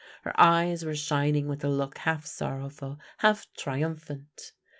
Her eyes were shining with a look half sorrowful, half triumph ant.